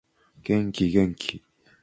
元気元気